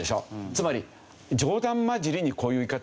つまり冗談交じりにこういう言い方をしたんですよ。